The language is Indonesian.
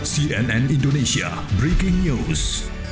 cnn indonesia breaking news